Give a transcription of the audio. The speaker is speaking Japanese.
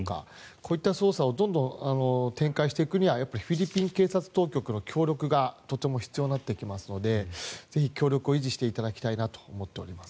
こういった捜査をどんどん展開していくにはやっぱりフィリピン警察当局の協力がとても必要になってきますのでぜひ、協力を維持していただきたいなと思っています。